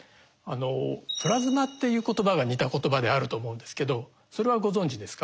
プラズマっていう言葉が似た言葉であると思うんですけどそれはご存じですか？